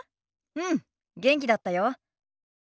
うん元気だったよ。